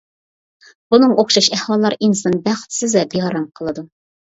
بۇنىڭغا ئوخشاش ئەھۋاللار ئىنساننى بەختسىز ۋە بىئارام قىلىدۇ.